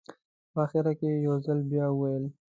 په اخره کې یې یو ځل بیا وویل.